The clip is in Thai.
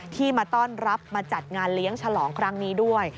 ที่มาต้อนรับมาจัดงานเลี้ยงฉลองครั้งนี้ด้วย